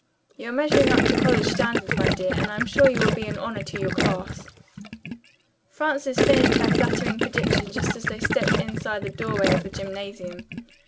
You are measuring up to college standards, my dear, and I am sure you will be an honor to 19 ." Frances finished her flattering prediction just as they stepped inside the doorway of the gymnasium.